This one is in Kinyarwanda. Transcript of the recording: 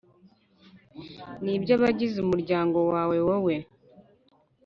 nibyabagize umuryango wawe wowe